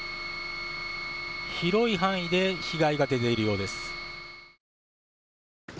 広い範囲で被害が出ているようです。